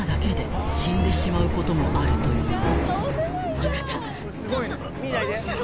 あなたちょっとどうしたの？